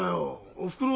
おふくろ